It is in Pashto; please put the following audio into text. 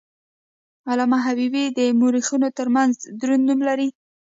علامه حبیبي د مورخینو ترمنځ دروند نوم لري.